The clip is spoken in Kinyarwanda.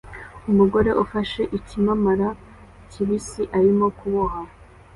Umugore ufashe ikimamara kibisi arimo kuboha